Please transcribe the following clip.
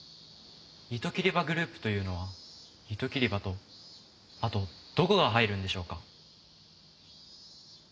糸切り歯グループというのは糸切り歯とあとどこが入るんでしょうか？